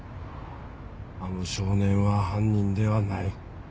あの少年は犯人ではない。